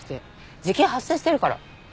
時給発生してるから。